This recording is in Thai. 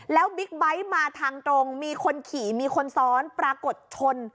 แล้วบิ๊กไบท์มาทางตรงมีคนขี่มีคนซ้อนปรากฏชน